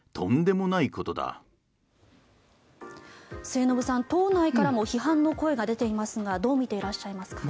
末延さん、党内からも批判の声が出ていますがどう見ていらっしゃいますか？